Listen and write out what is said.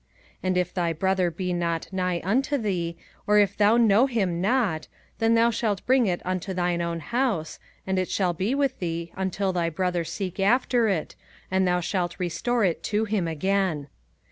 05:022:002 And if thy brother be not nigh unto thee, or if thou know him not, then thou shalt bring it unto thine own house, and it shall be with thee until thy brother seek after it, and thou shalt restore it to him again.